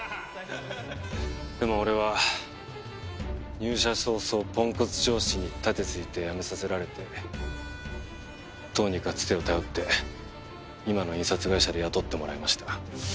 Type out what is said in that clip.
でも俺は入社早々ポンコツ上司に盾ついて辞めさせられてどうにかつてを頼って今の印刷会社で雇ってもらいました。